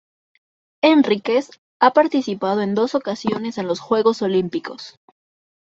Henriques ha participado en dos ocasiones en los Juegos Olímpicos.